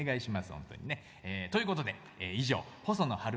本当にね。ということで以上細野晴臣